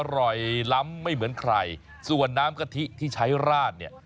อร่อยล้ำไม่เหมือนใครส่วนน้ำกะทิที่ใช้ราดเนี่ย